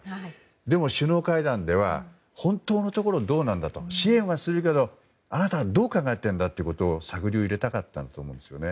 でも首脳会談では本当のところはどうなんだと支援はするけれどもあなたどう考えているんだと探りを入れたかったんだと思うんですね。